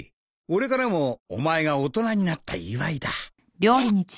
俺からもお前が大人になった祝いだ。